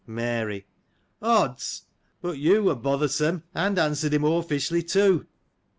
Mary. — Odds ! but you were bothersome, and answered him oafishly, too.